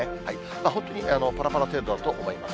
本当にぱらぱら程度だと思います。